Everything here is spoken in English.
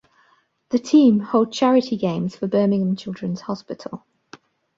The team hold charity games for Birmingham Children's Hospital.